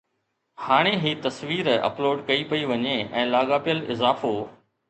ھاڻي ھي تصوير اپلوڊ ڪئي پئي وڃي ۽ لاڳاپيل اضافو